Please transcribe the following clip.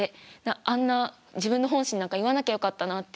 あんな自分の本心なんか言わなきゃよかったなって。